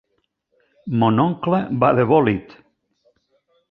Mon oncle va de bòlit.